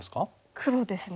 黒ですね。